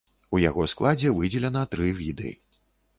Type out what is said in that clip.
У яго складзе выдзелена тры віды.